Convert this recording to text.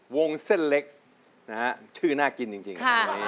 โรงเส้นเล็กชื่อน่ากินจริง